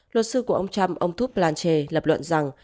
luật sư của ông trump ông thuất blanchet lập luận rằng